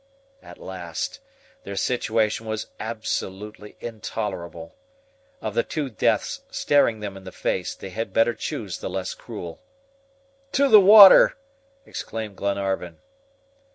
At last, their situation was absolutely intolerable. Of the two deaths staring them in the face, they had better choose the less cruel. "To the water!" exclaimed Glenarvan.